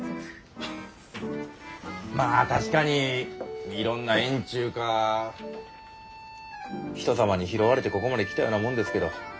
まあ確かにいろんな縁っちゅうかひとさまに拾われてここまで来たようなもんですけど。